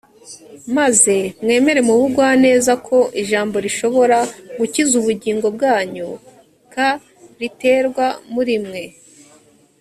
maze mwemere mu bugwaneza ko ijambo rishobora gukiza ubugingo bwanyu k riterwa muri mwe